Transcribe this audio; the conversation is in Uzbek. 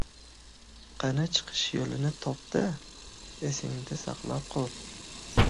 – Qani, chiqish yoʻlini top-da, esingda saqlab qol.